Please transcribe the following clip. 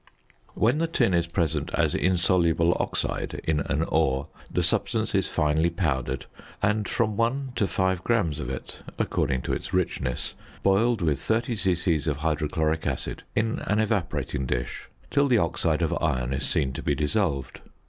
When the tin is present as insoluble oxide in an ore, the substance is finely powdered, and from 1 to 5 grams of it (according to its richness) boiled with 30 c.c. of hydrochloric acid in an evaporating dish till the oxide of iron is seen to be dissolved.